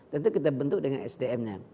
tentu kita bentuk dengan sdm nya